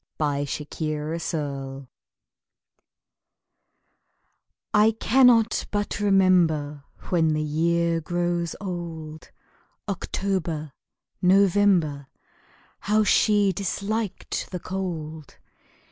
When the Year Grows Old I cannot but remember When the year grows old October November How she disliked the cold!